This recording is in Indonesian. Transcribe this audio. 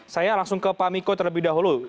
saya langsung ke pak miko terlebih dahulu